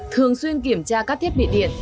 thường xuyên kiểm tra các thiết bị điện